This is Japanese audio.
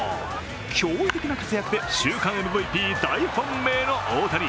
驚異的な活躍で週間ＭＶＰ大本命の大谷。